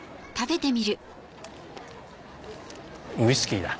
ウイスキーだ。